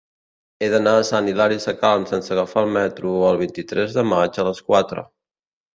He d'anar a Sant Hilari Sacalm sense agafar el metro el vint-i-tres de maig a les quatre.